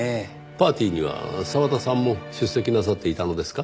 パーティーには澤田さんも出席なさっていたのですか？